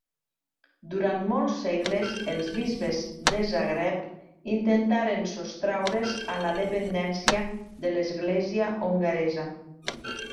Durant molts segles els bisbes de Zagreb intentaren sostraure's a la dependència de l'església hongaresa.